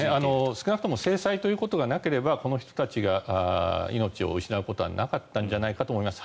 少なくとも制裁ということがなければこの人たちが命を失うことはなかったんじゃないかと思います